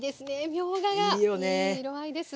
みょうががいい色合いです。